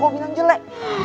kau bilang jelek